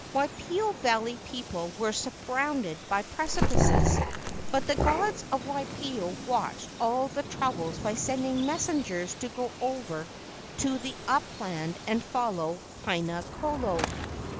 Waipio Valley people were sur¬ rounded by precipices, but the gods of Waipio watched all the troubles by sending messengers to go over to the upland and follow Haina kolo.